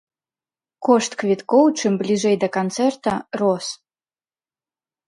Кошт квіткоў чым бліжэй да канцэрта рос.